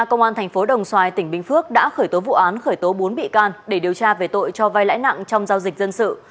cơ quan điều tra công an tp đồng xoài tỉnh bình phước đã khởi tố vụ án khởi tố bốn bị can để điều tra về tội cho vay lãi nặng trong giao dịch dân sự